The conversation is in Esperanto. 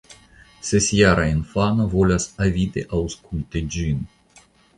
Sesjara infano volas avide aŭskulti ĝin.